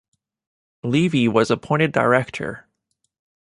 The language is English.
Levy was appointed director.